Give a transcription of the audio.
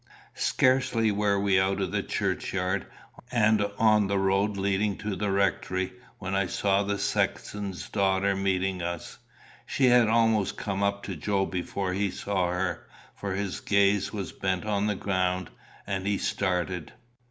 Scarcely were we out of the churchyard, and on the road leading to the rectory, when I saw the sexton's daughter meeting us. She had almost come up to Joe before he saw her, for his gaze was bent on the ground, and he started.